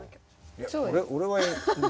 いや俺俺は。